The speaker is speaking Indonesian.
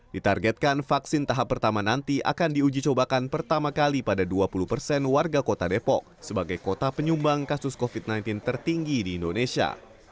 ditargetkan vaksin tahap pertama nanti akan diuji cobakan pertama kali pada dua puluh persen warga kota depok sebagai kota penyumbang kasus covid sembilan belas tertinggi di indonesia